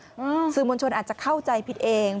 สื่อมวลชนอาจจะเข้าใจผิดเอง